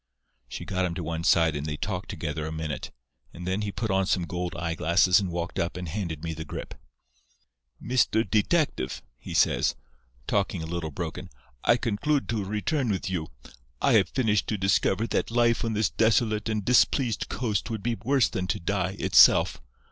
"She got him to one side and they talked together a minute, and then he put on some gold eyeglasses and walked up and handed me the grip. "'Mr. Detective,' he says, talking a little broken, 'I conclude to return with you. I have finished to discover that life on this desolate and displeased coast would be worse than to die, itself.